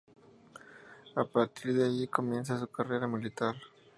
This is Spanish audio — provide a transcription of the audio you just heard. A partir de allí comienza su carrera militar.